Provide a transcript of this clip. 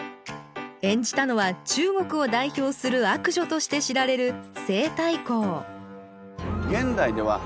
演じたのは中国を代表する悪女として知られる西太后